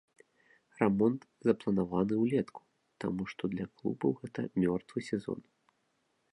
Рамонт запланаваны ўлетку, таму што для клубаў гэта мёртвы сезон.